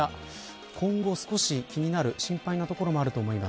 今後、少し気になる心配なところもあると思います。